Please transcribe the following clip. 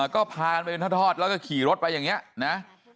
ก็พาไปทอดแล้วก็ขี่รถไปอย่างเนี้ยนะ